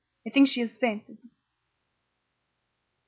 "I think she has fainted!"